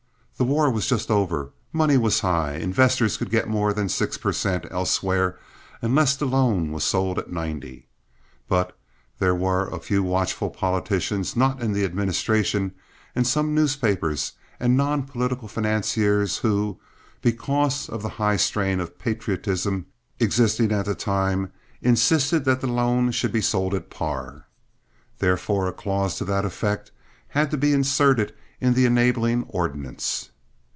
The war was just over. Money was high. Investors could get more than six per cent. elsewhere unless the loan was sold at ninety. But there were a few watchful politicians not in the administration, and some newspapers and non political financiers who, because of the high strain of patriotism existing at the time, insisted that the loan should be sold at par. Therefore a clause to that effect had to be inserted in the enabling ordinance.